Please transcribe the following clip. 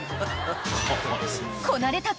［こなれた］